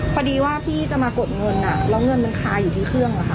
พอดีว่าพี่จะมากดเงินแล้วเงินมันคาอยู่ที่เครื่องอะค่ะ